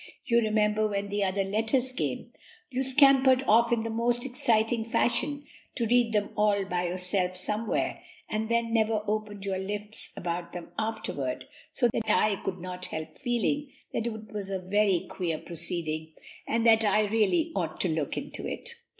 You remember, when the other letters came, you scampered off in most excited fashion to read them all by yourself somewhere, and then never opened your lips about them afterward, so that I could not help feeling that it was a very queer proceeding, and that I really ought to look into it."